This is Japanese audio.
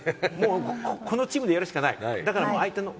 このチームでやるしかない。